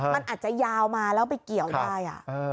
มันอาจจะยาวมาแล้วไปเกี่ยวได้